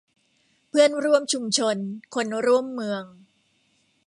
เพื่อนร่วมชุมชน คนร่วมเมือง